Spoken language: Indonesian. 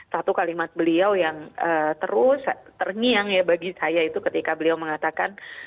satu kalimat beliau yang terus terngiang ya bagi saya itu ketika beliau mengatakan